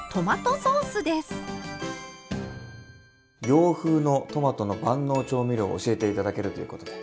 洋風のトマトの万能調味料を教えて頂けるということで。